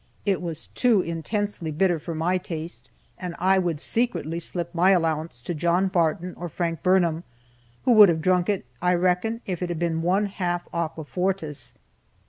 It was too intensely bitter for my taste, and I would secretly slip my allowance to John Barton, or Frank Burnham, who would have drunk it, I reckon, if it had been one half aqua fortis.